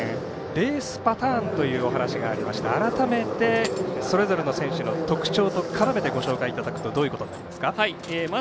レースパターンというお話がありましたがそれぞれの選手の特徴と絡めてご紹介いただくとどういうことになりますか。